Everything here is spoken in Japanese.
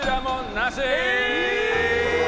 なし！